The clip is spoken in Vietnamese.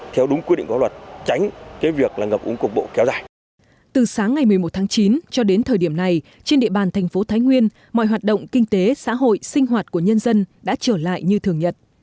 từ sáng ngày một mươi một tháng chín cho đến thời điểm này trên địa bàn thành phố thái nguyên mọi hoạt động kinh tế xã hội sinh hoạt của nhân dân đã trở lại như thường nhật